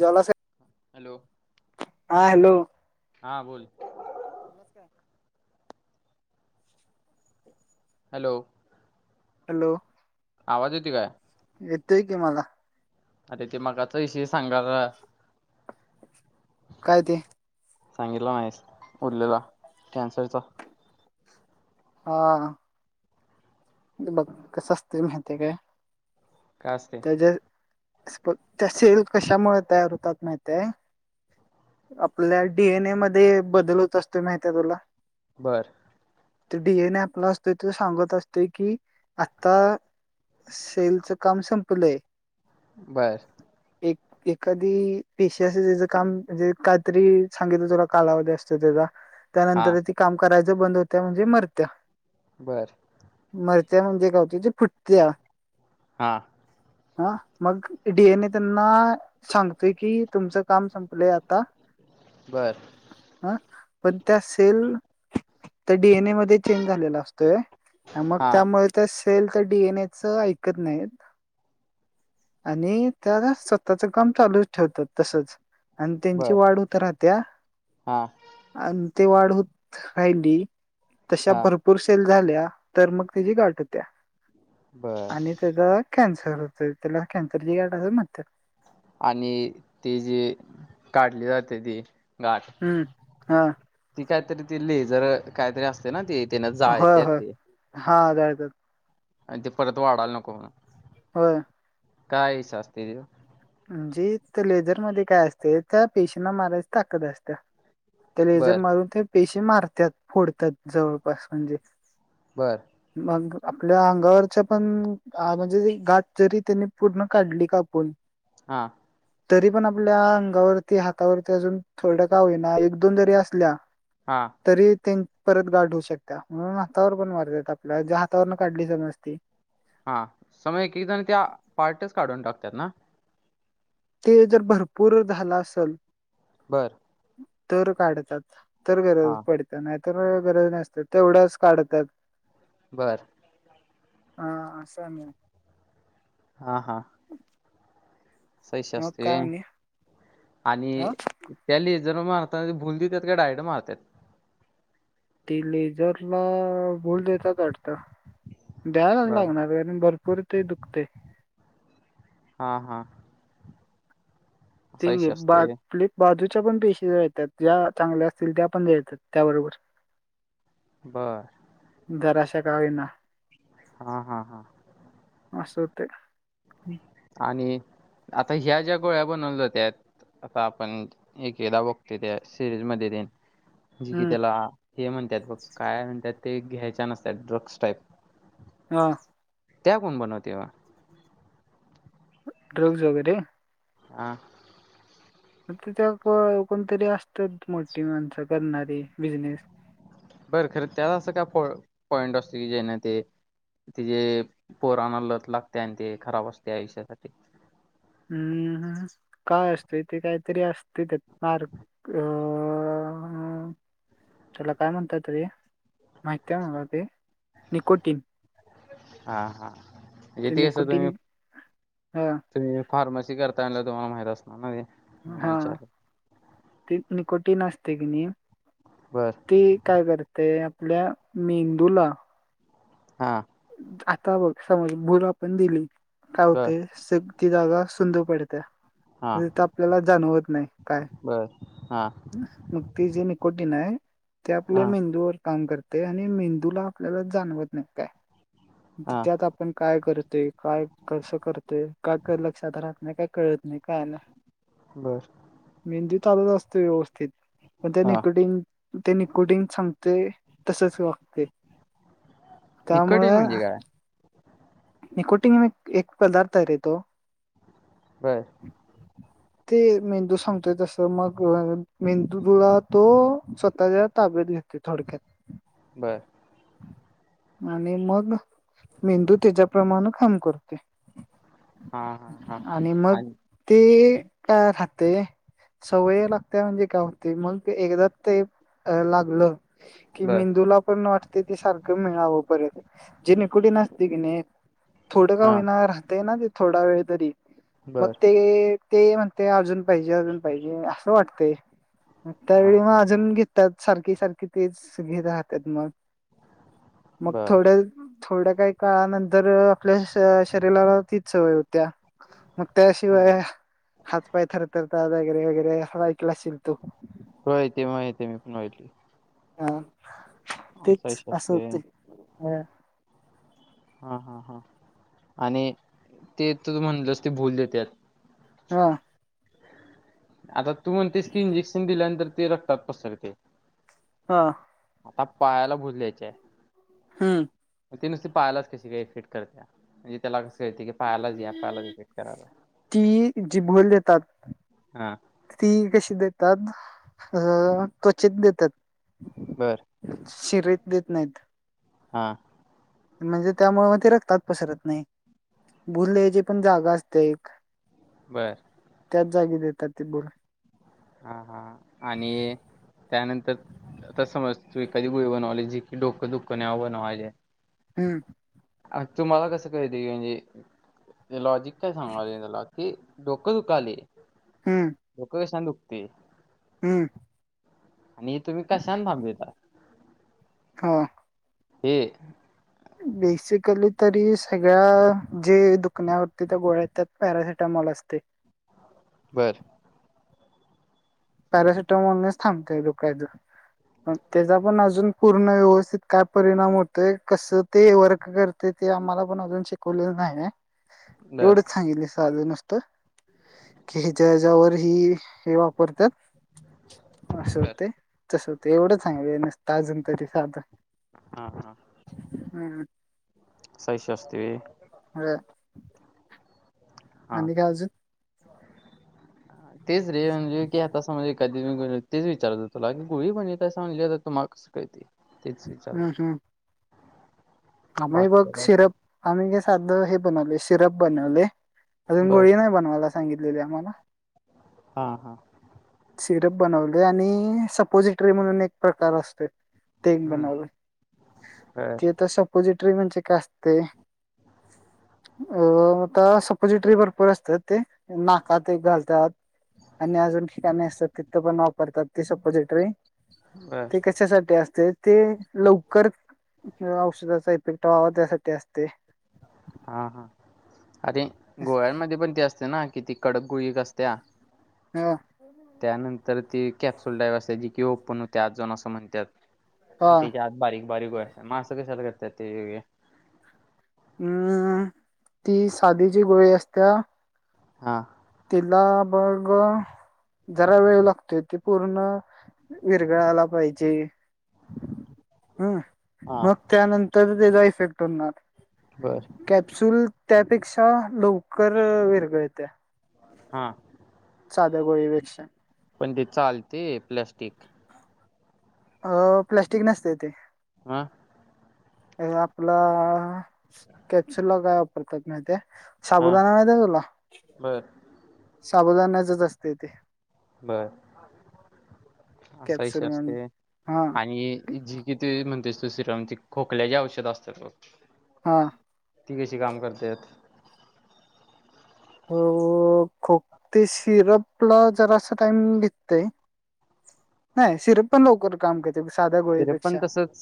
जलाशय [unintelligible] हॅलो. हा हॅलो. हा बोल. नमस्कार. हॅलो. हॅलो. आवाज येतो काय? येतोय की मला अरे ते मगाचा विषय सांगायला. काय ते? सांगितलं नाहीस उरलेला, कॅन्सरचा हा. बघ कसं असतय माहिते काय काय असतय? त्याच्या [unintelligible] त्या सेल कशामुळे तयार होतात माहितीय? आपल्या डीएनए मध्ये बदल होत असतो, माहितीय तुला? बरं. ते डीएन आपला असतो तो सांगत असतोय की आत्ता सेलच काम संपलंय. बरं. एक एखादी पेशी अस त्याचं काम म्हणजे काहीतरी सांगितल तुला कालावध असतो त्याचा हा त्यानंतर ती काम करायचं बंद होत्याया म्हणजे मरत्या बरं. त्या म्हणजे काय होत ती फुटतीया हा. हा मग डीएनए त्यांना सांगतोय की तुमचं काम संपलंय आता बरं. ह पण त्या सेल अस. डीएनए मध्ये चेंज झालेला असतोय मग हा त्यामुळे त्या सेल त्या डीएनए च ऐकत नाहीत. आणि त्या स्वतःच काम चालूच ठेवतात तसच. आणि त्यांची बर वाढ होत राहतेया हा आन. वाढ होत राहिली तशा हा भरपूर सेल झाल्या तर मग त्याची गाठ होतीया, बर अन त्याचा कॅन्स सर त्याला कॅन्सरची गाठ अस म्हणत्यात. आणि ती जी काढली जाते ती हम्म हा कायतरी ते लेझर काहीतरी असते ना ते त्यानं होय जाळत्यात होय ते हा जाळतात. आणि ते परत वाढाला नको म्हणून होय काय विषय असत त जे लेझरमध्ये काय असते त्या पेशीना मारायची ताकद असते त्या लेझर बर मारून ते पेशी मारतात फोडतात जवळपास म्हणजे बर मग आपल्या अंगावरच्या पण म्हणजे गाठ जरी त्यांनी पूर्ण काढली कापुन हा तरी पण आपल्या अंगावरती हातावरती अजून थोड्या का होईना एक दोन जरी असल्या हा तरी परत गाठ होऊ शकता म्हणून हातावर पण मारतात आपल्याला जे हातावरन काढली समजती हा समज एक जण त्या पार्टच काढून टाकतात ना ते जर भरपूर झाला असेल बर तर काढतात तर हा गरज पडते नाही तर गरज नसते तेवढ्याच काढतात बरं हा असं नाही हा हा पैसे मग काय असते म्हणे आणि ह त्या लेझर जर् मारता भूल देतात का डायरेक्ट मारतात ते लेझरला भूल देतात वाटते द्यायलाच बरं. लागणार कारण भरपूर ते दुखते हा हा [inaudible] च्या पण पेशी जळतात ज्या चांगल्या असतील त्या पण जळतात त्याबरोबर बर जराश का होईना हा हा हा अस होते आणि आता ह्या ज्या गोळ्या बनवल्या जातात आता आपण एकेकदा बघतो त्या सिरीज मध्ये देन जी कि हम्म त्याला हे म्हणतात काय म्हणतात ते घ्यायच्या नसतात ड्रग्स टाईप हा त्या कोण बनवतेय ड्रग्स वगैरे आह म त्या कोणतरी असतात मोठी माणसं करणारी बिझनेस बरं खरं त्यात असं काय पॉइंट असतो की जेना ते ति जे पोरांना लत लागते आणि ते खराब असते आयुष्यासाठी हम्म काय असते त्यात काहीतरी असते त्यात अर्क ह हा त्याला काय म्हणतात ते त माहित आहे मग ते निकोटीन हा हा म्हणजे ते कस हा तुम्ही फार्मसी करता त माहित असणार ना ते. म्हणून हा विचारलं. ति निकोटन असते की. बर ती काय करते आपल्या मेंदूला हा आता बघ समज भुल आपण दिली काय बर होते सग ती जागा सुंद पड हा तर आपल्याला जाणवत नाही काय बर हा मक्तीजेनीिक कोटी नाय. ते आपले हा मेंदूवर काम करते आणि मेंदूला आपल्याला जाणवत नाही काय हा त्यात आपण काय करत तेकाय कसं करते काय लक्षात राहत नाही काय कळत नाही कायला बर चालत असतो व्यवस्थित पण त्या हा निकटिंग ते न कुटिंग सांगते तसच वागते. कठीण म्हणजे काय? निकोटिंग म एक पदार्थ रे तो. बर. [inaudible] ते मेंदू सांगतोय तसं मग मेंदू धुळा तो स्वतःच्या ताब्यात घेतो. ते थोडक्यात बर आणि मग मेंदू त्याच्याप्रमाणे काम करतोय. हा हा हा आणि मग ते काय राह ते सवय लागते म्हणजे काय होते मग एकदा ते अ लागलं की बर मेंदूला पण वाटते ते सारखं मिळावं परत. जेने कुठ नासती की नाही. थोडं का हा होईना राहतय ना ते थोडा वेळ तरी मग बर ते ते म्हणते अजून पाहिजे अजून पाहिजे असं वाटतेग हा त्यावेळी मग हा हा अजून घेतात. सारखी सारखी तेच घे राहतात मग मग बर थोड थोड्या काही काळानंतर आपल्या शरीराला तीच सवय होती. त्या मग हा त्याशिवाय हात पाय थरथर वगैरे वगैर असं ऐकलं असेल तू होय ते माहिती मी पण ऐकली. हा तेच असं असतोय व्हय होतय. हा हा हा आणि ते तु म्हणलंस ते भूल देत्यात. हा आता तू म्हणतेस की इंजेक्शन दिल्यानंतर ते रक्तात पसरते. हा आता पायाला भुल द्यायची आहे. हम्म ते नुसते पायलाच कशी का इफेक्ट करत म्हणजे त्याला कस कळते की पायलाच या पाहालाच इफेक्ट कराला. ती जि भोल देतात हा ती कशी देतात अ त्वचेेत देतात. बर शिरीत देत नाहीत. हा म्हणजे त्यामुळे मग ते रक्तात पसरत नाही भुल द्यायची पण जागा असते एक. बरं त्याच जागी देतात ती भूल. हा हा आणि त्यानंतर तर आता समज तू एखादी गुळी बनवले जी की डोकं दुःखं नव बनवायल्या. हम्म अ तुम्हाला कसं काही ते म्हणजे लॉजिक काय सांगणार त्याला हेी डोकं दुखाली हम्म डोकं कशाान दुखते हम्म आणि तुम्ही कशांन थांब दात हा एक बेसिकली तरी सगळ्या जे दुखण्यावरती त्या गोळ्या येतात पॅरासिटामॉोल बस्ते बर पॅरासिटमोलनेच थांबते दुकायच प त्याचा पण अजून पूर्ण व्यवस्थित काय परिणाम होतोय कसं ते वर्क करते ते आम्हाला पण अजून शिकवलेलं नाही बर एवढंच सांगितले साध नसत क जच्यावर ह हे वापरतात असं बर होते तस होते एवढच सांग न ताजन तरी साधं हा हा हम्म सहिश अस असतव ह हा आणि [unintelligible] तेच रे म्हणजे की आता समज ए कधी [unintelligible] तेच विचारत तुला की गुळी पण येत स म्हगली जात तु्हाला कस कळतंय तेच विचारत आमही बघ सिरप आम्ही का साधं हे बनवले सिरप बनवले अजून बर गोळी नाही बनवायला सांगितलेले आम्हाला हा हा सिरप बनवले आणि सपोजिट ररी म्हणून एक प्रकार असतो ते हम्म बनवून बर त आता सपोजिटरी म्हणजे का असते अ आता सपोजिटरी भरपूर असतात ते नाकात एक घालतात आणि अजून ठिकाणी असतात तिथं पण वापरतात ती सपोजिटरी बर ते कशासाठी असते ते लवकर औषध पिकटावावा त्यासाठी असते हा हा अरे गोव्यांमध्ये पण ते असते ना किती कडक गुळीक असत्या ह त्यानंतर ती कॅप्सुल डाव्ह असते ज कि ओपन होते आजन असं म्हणतात हा आणि त्याच्या आत बारीक बारीको मा असं कशाला करत ते वेग [unintelligible] अम् ती साधीची गोळी असत्या हा किलाबर्ग जरा वेळ लागतोय ते पूर्ण विरगळायला पाहिजे हम हा मग त्यानंतर त्याचा इफेक्ट होणार बर कॅप्सुल त्यापेक्षा लवकर विरगळत्या हा साध्या गोळी वेकश्या पण ते चालते प्लॅस्टिक अ प्लास्टिक नसते ते ह [unintelligible] हे आपलं कॅप्सुला काय वापरतात माहीते हा साबुदाणा माहिती तुला बर साबुदाण्या्याचच असते तेे बर असा विष कॅप्सूल म्हणून असते हा [unintelligible] आणि जी किती म्हणते दुससीरमची खोकल्याचे औषध असते त हा ती कशी काम करत्यात. अ खो ते सिरपला जरा असा टाइम घेततय. नाही. सिरप पण लवकर काम करते साध्या तरी पण गोळीपेक्षा. तसंच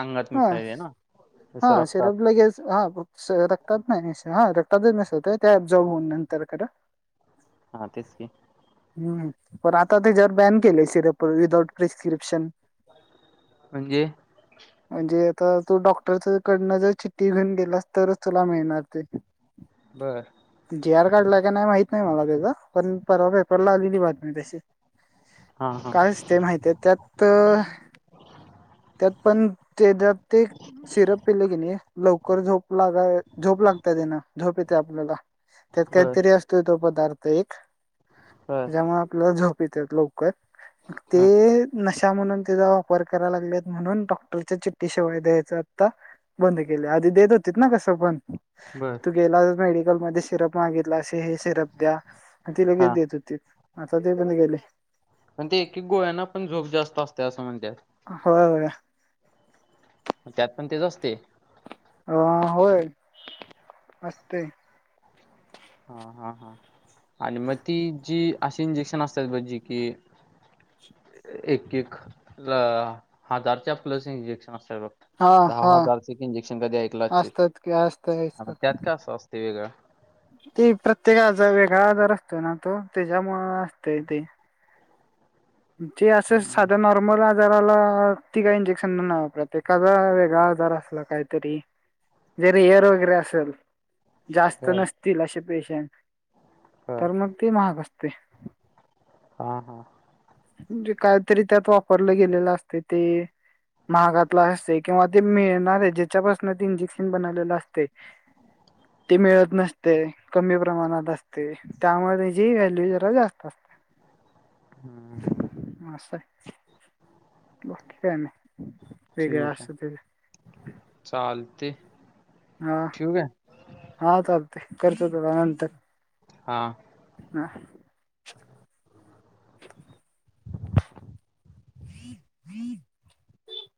अंगात हा मिसळे ना? हा. जसं रक्तात सीरप लगेच हा रक्तातात नाही हा त्या मेसज होत त्या जॉब होऊन नंतर करा. हा तेच की. पण आता ते जर बॅन केले सिरप विदाउट प्रिस्क्रिप्शन. म्हणजे? तर तू डॉक्टर च कडनं जर चिठ्ठी घेऊन गेलास, तरच तुला मिळणार ते. बर. जी आर काढला का नाही माहित नाही, मला ते पण परवा पेपरला आलेली बातमी तशी. हा हा कायच ते माहीतेय त्यात त्यात पण तेज्यात ते सिरप पिले की नाही, लवकर झोप लागाय झोप लागत्या तेन. झोप येते आपल्याला, त्यात बर काहीतरी असतो, तो पदार्थ एक. बर त्यामुळे आपला झोप येते लवकर. ते हा न म्हणून त्याचा वापर कराला लागल्यात, म्हणून डॉक्टरच्या चिठ्ठी शिवाय द्यायच आता बंद केले. आधी देत होतीत ना कसं पण. बर तू गेला, मेडिकलमध्ये सिरप मागितला, असे हे सिरप द्या. ती लगेच हा देत होतीत. आता ते पण गेलय. पण ते एक एक गोळ्यांना पण झोप जास्त असत्या असं म्हणत्यात. होय. होय. त्यात पण तेच असतय. अ होय, मस्त हे. हा. हा. हा. आणि मग ती जी अशी इंजेक्शन असत्यात, ब जी की, एक एक हजारच्या प्लस इंजेक्श हा दहा हा हजारचे इंजेक्शन कधी ऐकलं अशील? असतात की असत ह असत मग त्यात काय असं असतय वेगळं? ते प्रत्येकाचा वेगळा आजार असतो ना, तो त्याच्यामुळ असतय ते. ते असं हं, साधा नॉर्मल आजाराला ती काही इंजेक्शन नाही, प्रत्येकाचा वेगळा आजार असला काहीतरी जर एअर वगैरे असलं. जास्त बर नसतील असे पेशंट, बर. तर मग ते महाग असत. ते. हा हा. म्हणजे कायतरी त्यात वापरलं गेलेलं असतय ते महागातला असतय किंवा ते मिळणार आहे, ज्याच्यापासून ते इंजेक्शन बनवलेलं असतय. ते मिळत नसते, कमी प्रमाणात असतय, त्यामुळे त्याची व्हॅल्यू जरा जास्त असते. हं, हं. म असाय. बाकी काय नाही वेगळ ठीक अस त्याच. ते. हा. हा चालतय. करतो तुला नंतर. हा. अहं. [unintelligible]